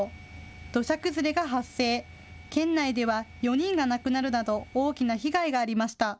土砂崩れが発生、県内では４人が亡くなるなど大きな被害がありました。